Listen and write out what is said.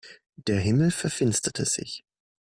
Der Himmel verfinsterte sich.